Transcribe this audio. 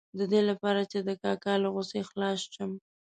د دې لپاره چې د کاکا له غوسې خلاص شم.